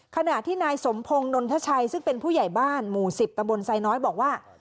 ขณะที่นายสมพงศ์นนทชัยซึ่งเป็นผู้ใหญ่บ้านหมู่๑๐ตำบลไซน้อยบอกว่า